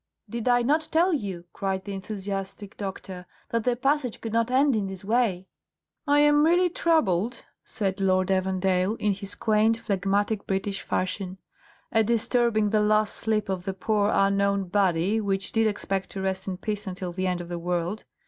"Did I not tell you," cried the enthusiastic doctor, "that the passage could not end in this way?" "I am really troubled," said Lord Evandale, in his quaint, phlegmatic British fashion, "at disturbing the last sleep of the poor unknown body which did expect to rest in peace until the end of the world.